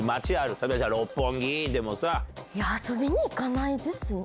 例えば、六本木でいや、遊びに行かないですね。